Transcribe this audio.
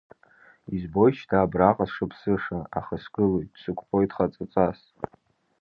Избоит шьҭа абраҟа сшыԥсыша, аха сгылоит, сықәԥоит хаҵаҵас.